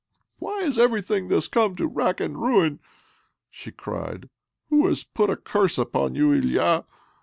"Why has everything thtis come to rack and ruin?" she cried. "Who hlas put a curse upon you, Ilya?